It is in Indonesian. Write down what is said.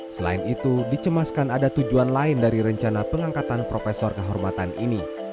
selain itu dicemaskan ada tujuan lain dari rencana pengangkatan profesor kehormatan ini